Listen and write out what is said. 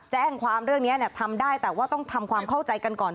แจ้งความเรื่องนี้ทำได้แต่ว่าต้องทำความเข้าใจกันก่อน